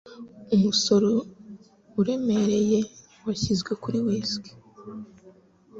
Umusoro uremereye washyizwe kuri whisky.